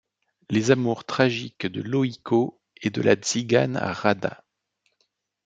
Les amours tragiques de Loïko et de la tzigane Radda.